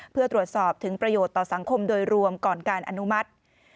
เพื่อตรวจสอบถึงประโยชน์ต่อสังคมโดยรวมก่อนการอนุมัติ